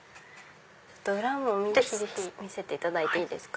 裏も見せていただいていいですか。